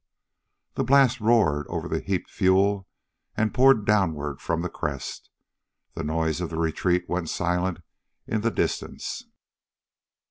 The blast roared over the heaped fuel and poured downward from the crest. The noise of the retreat went silent in the distance.